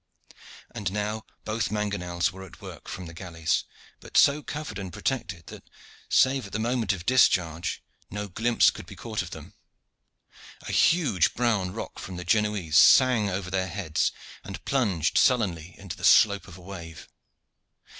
And now both mangonels were at work from the galleys, but so covered and protected that, save at the moment of discharge, no glimpse could be caught of them. A huge brown rock from the Genoese sang over their heads, and plunged sullenly into the slope of a wave.